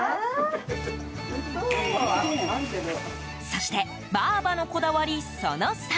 そしてばあばのこだわり、その３。